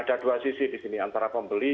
ada dua sisi disini antara pembeli